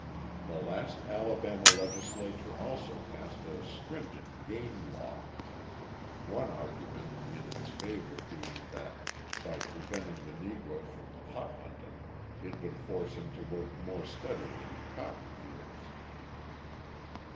The last Alabama legislature also passed a stringent game law, one argument in its favour being that by preventing the Negro from pot hunting it would force him to work more steadily in the cotton fields.